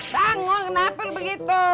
bangun kenapa begitu